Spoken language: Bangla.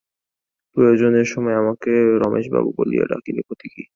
প্রয়োজনের সময় আমাকে রমেশবাবু বলিয়া ডাকিলে ক্ষতি কী?